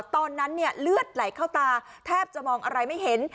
ตอนนั้นเลือดไหลเข้าตาแทบจะมองอะไรไม่เห็น